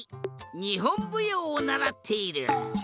にほんぶようをならっている。